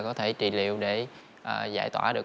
có thể trị liệu để giải tỏa được